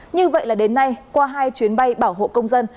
như vậy là đến nay qua hai chuyến bay bảo hộ công dân